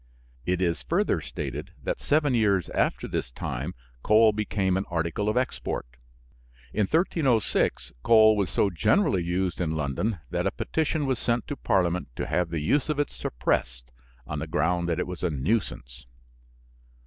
It is further stated that seven years after this time coal became an article of export. In 1306 coal was so generally used in London that a petition was sent to parliament to have the use of it suppressed on the ground that it was a nuisance.